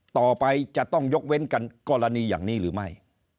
ต่อไปจะต้องยกเว้นกันกรณีอย่างนี้หรือไม่